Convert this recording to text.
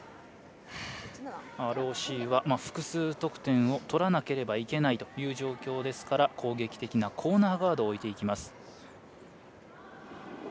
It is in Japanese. ＲＯＣは複数得点を取らなくてはいけないという状況ですから攻撃的なコーナーガードを置いていきます。